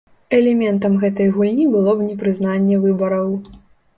Элементам гэтай гульні было б непрызнанне выбараў.